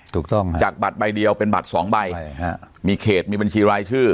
ถูกต้องฮะจากบัตรใบเดียวเป็นบัตรสองใบมีเขตมีบัญชีรายชื่อ